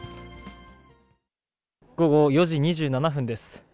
午後４時２７分です。